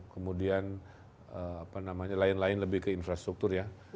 kemudian apa namanya lain lain lebih ke infrastruktur ya